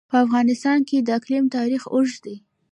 په افغانستان کې د اقلیم تاریخ اوږد دی.